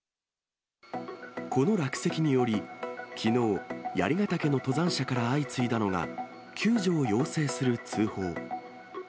この落石により、きのう、槍ヶ岳の登山者から相次いだのが、救助を要請する通報。